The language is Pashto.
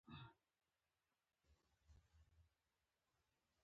افغانستان تر هغو نه ابادیږي، ترڅو د ژوند کیفیت لوړ نشي.